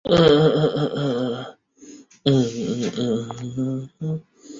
维里定理是描述稳定的多自由度体系的总动能和体系的总势能时间平均之间的数学关系。